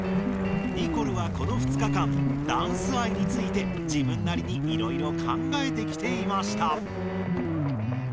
ニコルはこの２日間ダンス愛について自分なりにいろいろ考えてきていました。